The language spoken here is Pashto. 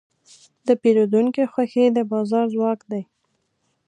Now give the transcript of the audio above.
د پیرودونکي خوښي د بازار ځواک دی.